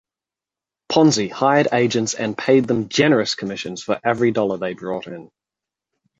Ponzi hired agents and paid them generous commissions for every dollar they brought in.